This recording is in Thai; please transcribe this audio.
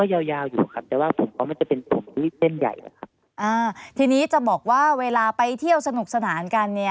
ใช่ครับเหมือนกับรองทรงต่ำ